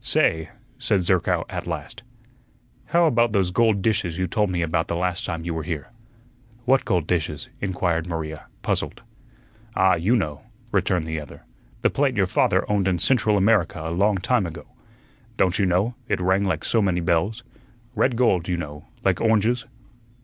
"Say," said Zerkow at last, "how about those gold dishes you told me about the last time you were here?" "What gold dishes?" inquired Maria, puzzled. "Ah, you know," returned the other. "The plate your father owned in Central America a long time ago. Don't you know, it rang like so many bells? Red gold, you know, like oranges?"